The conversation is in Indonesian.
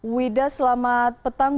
wida selamat petang